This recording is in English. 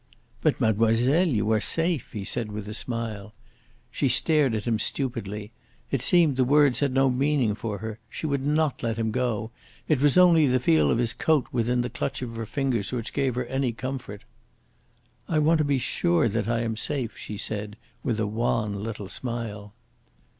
"But, mademoiselle, you are safe," he said, with a smile. She stared at him stupidly. It seemed the words had no meaning for her. She would not let him go. It was only the feel of his coat within the clutch of her fingers which gave her any comfort. "I want to be sure that I am safe," she said, with a wan little smile.